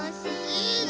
いいね。